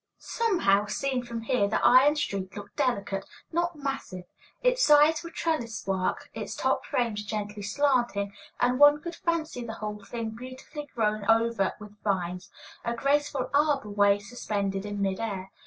Somehow, seen from here, the iron street looked delicate, not massive; its sides were trellis work, its top frames gently slanting, and one could fancy the whole thing beautifully grown over with vines, a graceful arbor way suspended in mid air.